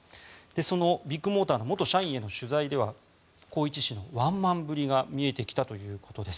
そのビッグモーターの元社員への取材では宏一氏のワンマンぶりが見えてきたということです。